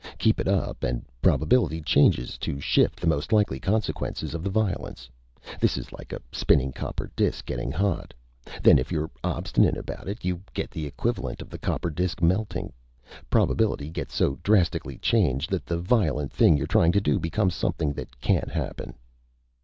Keep it up, and probability changes to shift the most likely consequences of the violence. This is like a spinning copper disk getting hot. Then, if you're obstinate about it, you get the equivalent of the copper disk melting. Probability gets so drastically changed that the violent thing you're trying to do becomes something that can't happen.